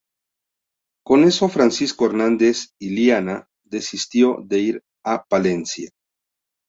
Con eso Francisco Hernández Illana desistió de ir a Palencia.